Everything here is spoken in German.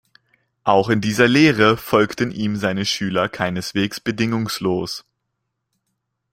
Auch in dieser Lehre folgten ihm seine Schüler keineswegs bedingungslos.